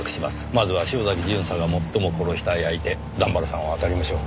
まずは潮崎巡査が最も殺したい相手段原さんを当たりましょう。